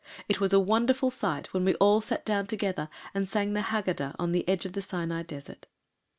It was a wonderful sight when we all sat down together and sang the Hagadah on the edge of the Sinai desert.